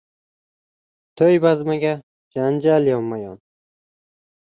• To‘y bazmiga janjal yonma-yon.